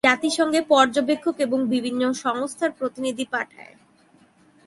জাতিসংঘে পর্যবেক্ষক এবং বিভিন্ন সংস্থায় প্রতিনিধি পাঠায়।